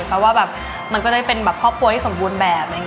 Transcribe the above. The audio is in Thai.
เพราะว่าแบบมันก็ได้เป็นแบบครอบครัวที่สมบูรณ์แบบ